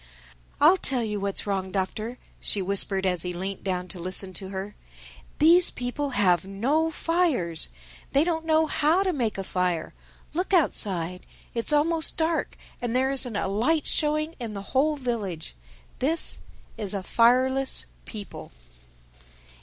"I'll tell you what's wrong, Doctor," she whispered as he leant down to listen to her: "these people have no fires! They don't know how to make a fire. Look outside: It's almost dark, and there isn't a light showing in the whole village. This is a fireless people."